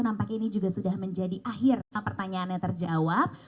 nampaknya ini juga sudah menjadi akhir pertanyaannya terjawab